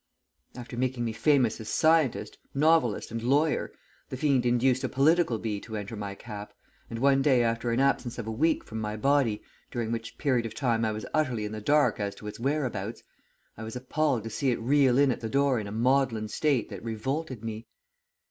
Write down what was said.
"After making me famous as scientist, novelist and lawyer, the fiend induced a political bee to enter my cap, and one day after an absence of a week from my body, during which period of time I was utterly in the dark as to its whereabouts, I was appalled to see it reel in at the door in a maudlin state that revolted me.